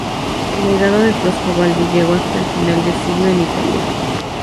El legado de Frescobaldi llegó hasta el final de siglo en Italia.